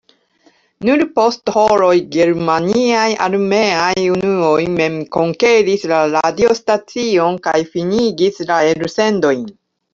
Nur post horoj germaniaj armeaj unuoj mem konkeris la radiostacion kaj finigis la elsendojn.